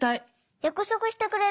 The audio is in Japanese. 約束してくれる？